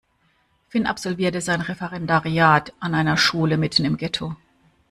Finn absolviert sein Referendariat an einer Schule mitten im Getto.